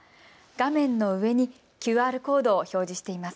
画面の上にＱＲコードを表示しています。